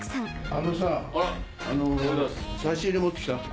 あのさぁ差し入れ持ってきた？